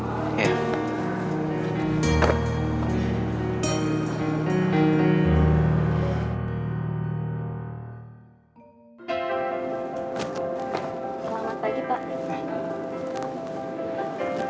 selamat pagi pak